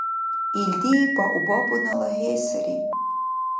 Илди баобабунала гье сари.